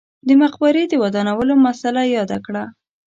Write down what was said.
د مقبرې د ودانولو مسئله یاده کړه.